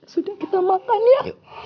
sudah kita makan ya